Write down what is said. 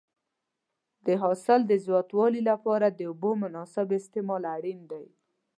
د حاصل د زیاتوالي لپاره د اوبو مناسب استعمال اړین دی.